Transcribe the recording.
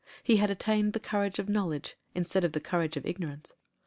He had attained the courage of knowledge instead of the courage of ignorance.